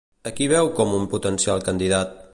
A qui veu com a un potencial candidat?